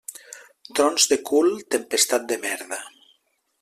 Trons de cul, tempestat de merda.